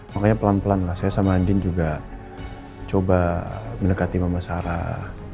makanya pelan pelan lah saya sama andin juga coba mendekati mama sarah